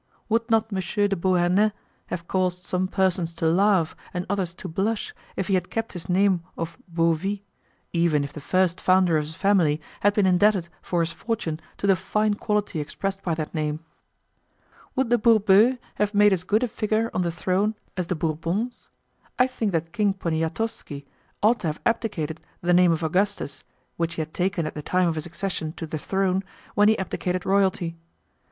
Would not M. de Beauharnais have caused some persons to laugh and others to blush if he had kept his name of Beauvit, even if the first founder of his family had been indebted for his fortune to the fine quality expressed by that name? Would the Bourbeux have made as good a figure on the throne as the Bourbons? I think that King Poniatowski ought to have abdicated the name of Augustus, which he had taken at the time of his accession to the throne, when he abdicated royalty.